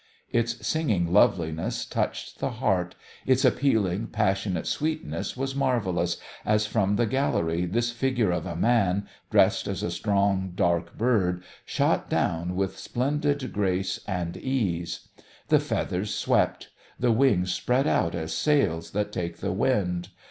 Its singing loveliness touched the heart, its appealing, passionate sweetness was marvellous, as from the gallery this figure of a man, dressed as a strong, dark bird, shot down with splendid grace and ease. The feathers swept; the swings spread out as sails that take the wind.